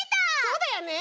そうだよね！